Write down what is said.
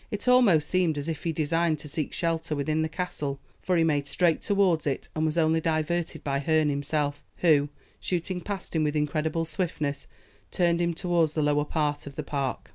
It almost seemed as if he designed to seek shelter within the castle, for he made straight towards it, and was only diverted by Herne himself, who, shooting past him with incredible swiftness, turned him towards the lower part of the park.